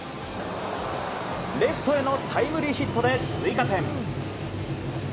レフトへのタイムリーヒットで追加点。